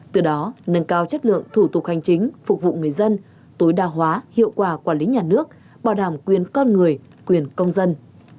từ đó nâng cao chất lượng thủ tục hành chính phục vụ người dân tối đa hóa hiệu quả quản lý nhà nước bảo đảm quyền con người quyền công dân